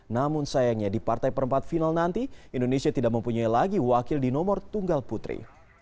namun sayangnya di partai perempat final nanti indonesia tidak mempunyai lagi wakil di nomor tunggal putri